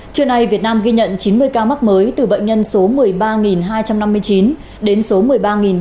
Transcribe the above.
trưa nay việt nam ghi nhận chín mươi ca mắc mới từ bệnh nhân số một mươi ba hai trăm năm mươi chín đến số một mươi ba ba trăm bảy